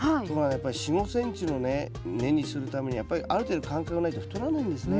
やっぱり４５ｃｍのね根にするためにはやっぱりある程度間隔ないと太らないんですね。